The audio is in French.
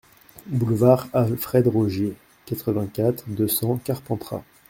Boulevard Alfred Rogier, quatre-vingt-quatre, deux cents Carpentras